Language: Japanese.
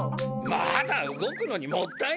まだ動くのにもったいない。